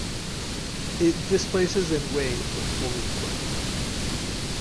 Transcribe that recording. It displaces and weighs when fully equipped.